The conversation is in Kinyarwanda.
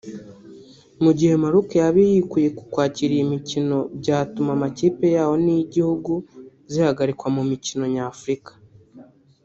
Mu gihe Maroc yaba yikuye kukwakira iyi mikino byatuma amakipe yaho n’iy’igihugu zihagarikwa mu mikino nyafurika